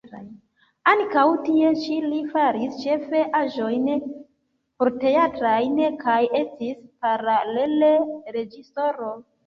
Ankaŭ tie ĉi li faris ĉefe aĵojn porteatrajn kaj estis paralele reĝisoro.